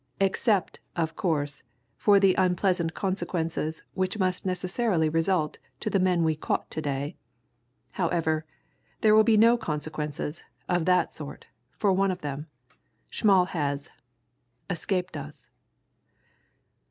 "Except, of course, for the unpleasant consequences which must necessarily result to the men we caught to day. However, there will be no consequences of that sort for one of them. Schmall has escaped us!"